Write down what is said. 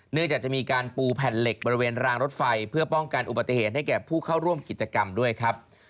จากจะมีการปูแผ่นเหล็กบริเวณรางรถไฟเพื่อป้องกันอุบัติเหตุให้แก่ผู้เข้าร่วมกิจกรรมด้วยครับ